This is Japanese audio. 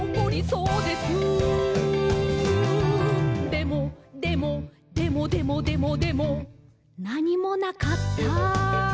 でも、でも、でもでもでもでも」「なにもなかった！」